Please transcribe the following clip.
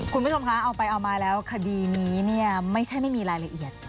คุณผู้ชมคะเอาไปเอามาแล้วคดีนี้เนี่ยไม่ใช่ไม่มีรายละเอียด